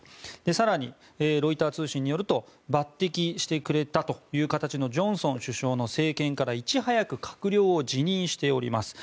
更に、ロイター通信によると抜てきしてくれたという形のジョンソン首相の政権からいち早く閣僚を辞任しております。